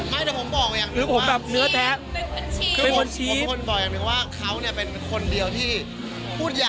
ไม่แต่ผมบอกอย่างหนึ่งว่าคือผมแบบเนื้อแท้เป็นคนชีฟ